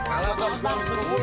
kalau kau buang suruh buang